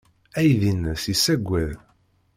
Aydi-nnes yessaggad.